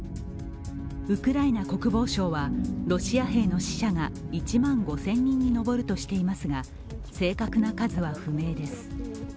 ウクライナ国防省はロシア兵の死者が１万５０００人に上るとしていますが正確な数は不明です。